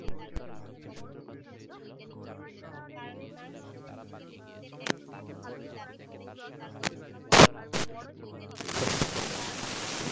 সিরাজুল ইসলাম ষাট থেকে সত্তরের দশকে বৃহত্তর ঢাকা জেলা ছাত্রলীগের সভাপতি ছিলেন পরে জাসদ রাজনীতিতে যুক্ত হন।